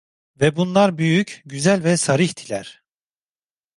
Ve bunlar büyük, güzel ve sarihtiler.